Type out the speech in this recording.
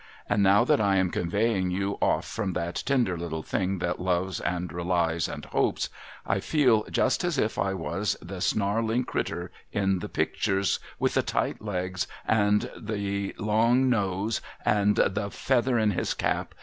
And now thnt I am conveying you off from that tender little thing that loves, and relies, and hopes, I feel just as if I was the snarling crittur in the picters, with the tight legs, the long nose, and the feather in his cap.